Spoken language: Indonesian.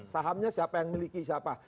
sahamnya siapa yang memiliki siapa